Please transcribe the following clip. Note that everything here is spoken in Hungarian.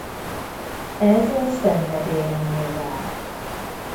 Ez a szenvedélyemmé vált.